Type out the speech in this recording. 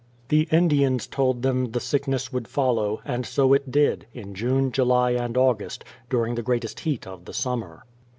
The Indians told them the sickness would follow, and so it did, in June, July, and August, during the greatest heat of the summer.